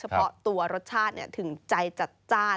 เพราะตัวรสชาติถึงใจจัดจ้าน